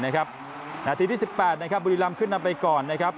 นะครับนาทีที่สิบแปดนะครับบุรีลำขึ้นนำไปก่อนนะครับ